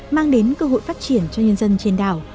mang đến cơ hội phát triển cho nhân dân trên đảo